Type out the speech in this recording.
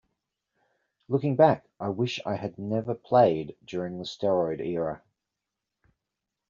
Looking back, I wish I had never played during the steroid era.